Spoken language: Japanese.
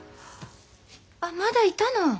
あまだいたの！？